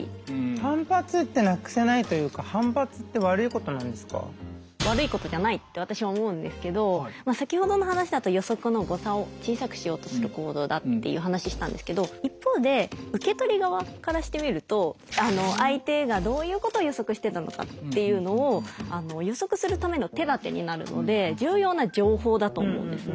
反発ってなくせないというかって私は思うんですけど先ほどの話だと予測の誤差を小さくしようとする行動だっていう話したんですけど一方で受け取り側からしてみると相手がどういうことを予測してたのかっていうのを予測するための手だてになるので重要な情報だと思うんですね。